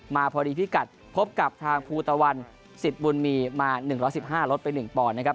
มาพอดีพิกัดพบกับทางภูตะวันสิทธิ์บุญมีมา๑๑๕ลดไป๑ปอนด์นะครับ